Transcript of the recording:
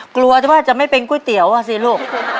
กลัวว่าจะไม่เป็นก๋วยเตี๋ยวอ่ะสิลูก